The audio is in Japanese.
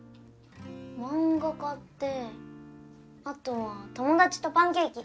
漫画買ってあとは友達とパンケーキ。